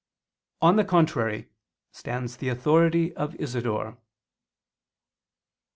On the contrary, stands the authority of Isidore.